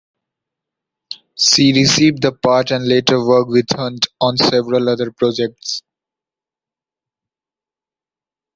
She received the part, and later worked with Hunt on several other projects.